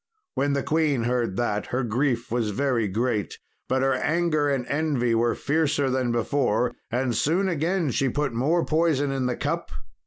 When the queen heard that, her grief was very great, but her anger and envy were fiercer than before, and soon again she put more poison in the cup.